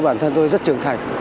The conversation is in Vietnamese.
bản thân tôi rất trưởng thành